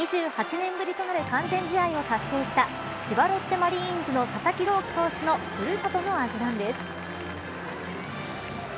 ２８年ぶりとなる完全試合を達成した千葉ロッテマリーンズの佐々木朗希投手のふるさとの味なんです。